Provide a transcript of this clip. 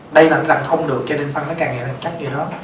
đây là nó làm không được cho nên phân nó càng càng chắc như đó